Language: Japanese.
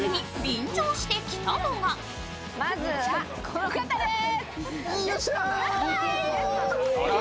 まずはこの方です。